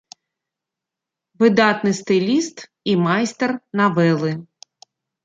Выдатны стыліст і майстар навелы.